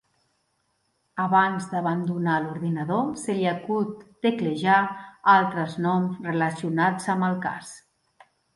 Abans d'abandonar l'ordinador se li acut teclejar altres noms relacionats amb el cas.